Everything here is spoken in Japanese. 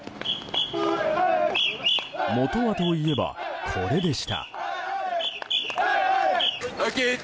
もとはといえば、これでした。